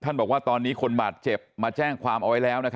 บอกว่าตอนนี้คนบาดเจ็บมาแจ้งความเอาไว้แล้ว